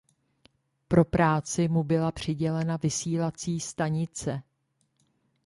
Pro práci mu byla přidělena vysílací stanice.